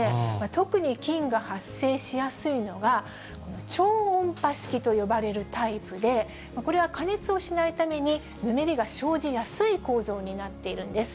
特に菌が発生しやすいのが、超音波式と呼ばれるタイプで、これは加熱をしないために、ぬめりが生じやすい構造になっているんです。